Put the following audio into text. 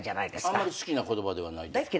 あんまり好きな言葉ではない？